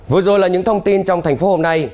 vừa rồi là những thông tin trong thành phố hôm nay